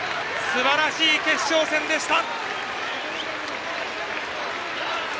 すばらしい決勝戦でした！